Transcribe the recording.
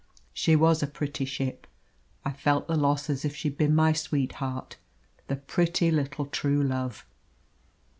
She was a pretty ship! I felt the loss as if she'd been my sweetheart the pretty little True Love!